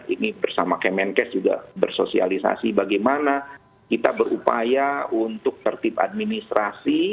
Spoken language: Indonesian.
ini bersama kemenkes juga bersosialisasi bagaimana kita berupaya untuk tertib administrasi